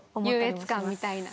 優越感みたいな。